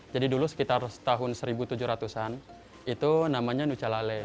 jadi dulu sekitar tahun seribu tujuh ratus an itu namanya nucalale